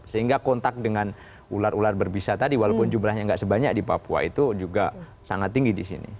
sehingga kontak dengan ular ular berbisa tadi walaupun jumlahnya tidak sebanyak di papua itu juga sangat tinggi di sini